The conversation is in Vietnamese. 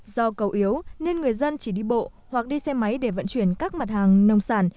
do cầu yếu nên người dân chỉ đi bộ hoặc đi xe máy để vận chuyển các mặt hàng nông sản